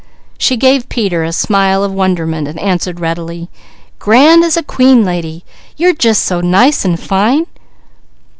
She gave Peter a smile of wonderment and answered readily: "Grand as queen lady. You're jus' so nice and fine."